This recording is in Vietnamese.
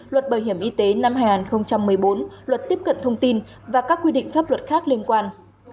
luật bảo hiểm y tế năm hai nghìn một mươi bốn luật tiếp cận thông tin và các quy định pháp luật khác liên quan